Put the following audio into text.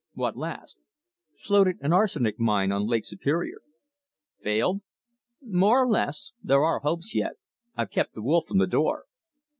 "What last?" "Floated an arsenic mine on Lake Superior." "Failed?" "More or less. There are hopes yet. I've kept the wolf from the door."